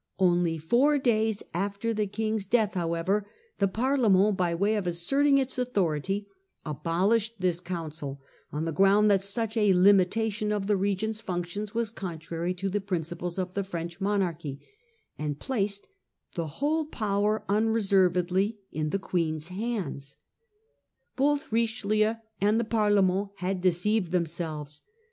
Only four days after the King's death however the Parle went , by way of asserting its authority, abolished this council on the ground that such a limitation of the regent's functions was contrary to the principles of the French monarchy, and placed the whole power unre servedly in the Queen's hands. Both Richelieu and the Parleme?it had deceived themselves.